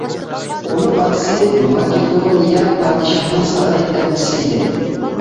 ئۇنىڭ ئاتىسى ماكېدونىيە پادىشاھىنىڭ ساراي ئەمچىسى ئىدى.